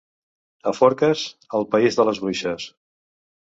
A Forques, el país de les bruixes.